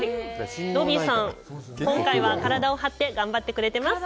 ロビーさん、今回は体を張って頑張ってくれています。